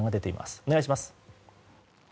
お願いします。